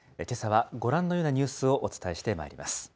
けさはご覧のようなニュースをお伝えしてまいります。